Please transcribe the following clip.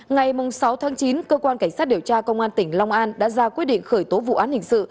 ngày sáu tháng chín cơ quan cảnh sát điều tra công an tỉnh long an đã ra quyết định khởi tố vụ án hình sự